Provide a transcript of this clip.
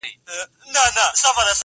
o د مسکين په لاس کي غلمينه ډوډۍ عيب ده٫